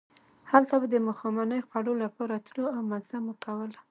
هلته به د ماښامنۍ خوړلو لپاره تلو او مزه مو کوله.